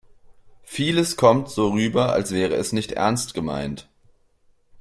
Vieles kommt so rüber, als wäre es nicht ernst gemeint.